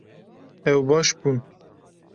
Ew baş bûn